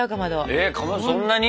えそんなに？